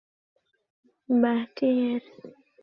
সেখানেই তার ব্যাটিংয়ের দক্ষতা ধরা পড়ে।